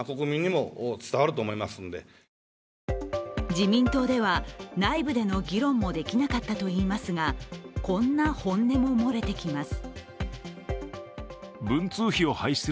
自民党では内部での議論もできなかったといいますがこんな本音も漏れてきます。